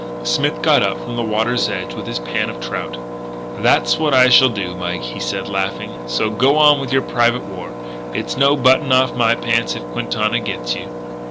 Smith got up from the water's edge with his pan of trout: "That's what I shall do, Mike," he said, laughing. "So go on with your private war; it's no button off my pants if Quintana gets you."